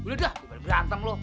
udah berantem lu